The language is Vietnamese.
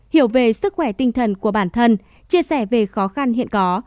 hiểu về sức khỏe tinh thần của bản thân chia sẻ về khó khăn hiện có